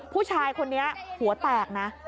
ผู้ชายคนนี้หัวแตกนะ